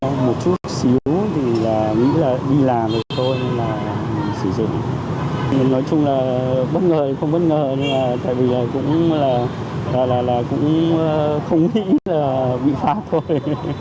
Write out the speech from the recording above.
nói chung là bất ngờ không bất ngờ tại vì cũng không nghĩ là vi phạm thôi